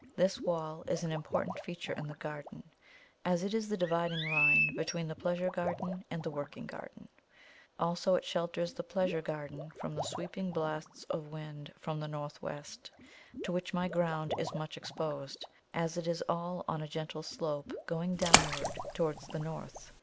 This wall is an important feature in the garden, as it is the dividing line between the pleasure garden and the working garden; also, it shelters the pleasure garden from the sweeping blasts of wind from the north west, to which my ground is much exposed, as it is all on a gentle slope, going downward towards the north.